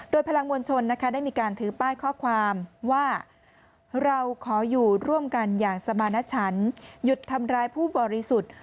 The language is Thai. โดยพลังมวลชนนะคะได้มีการถือป้ายข้อความว่าเราขออยู่ร่วมกันอย่างสมาณชันหยุดทำร้ายผู้บริสุทธิ์